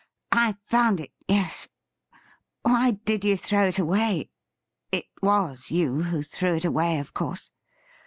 ' I found it, yes ; why did you thi ow it away ? It was you who threw it away, of course